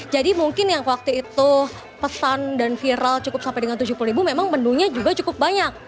jadi mungkin yang waktu itu pesan dan viral cukup sampai dengan tujuh puluh ribu memang menunya juga cukup banyak